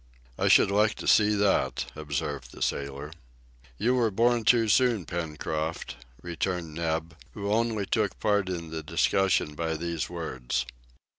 "I should like to see that," observed the sailor. "You were born too soon, Pencroft," returned Neb, who only took part in the discussion by these words.